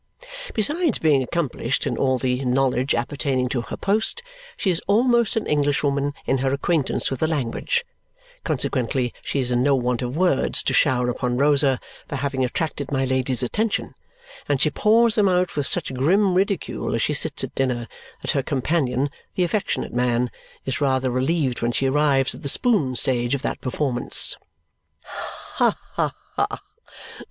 Besides being accomplished in all the knowledge appertaining to her post, she is almost an Englishwoman in her acquaintance with the language; consequently, she is in no want of words to shower upon Rosa for having attracted my Lady's attention, and she pours them out with such grim ridicule as she sits at dinner that her companion, the affectionate man, is rather relieved when she arrives at the spoon stage of that performance. Ha, ha, ha!